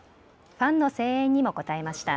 ファンの声援にも応えました。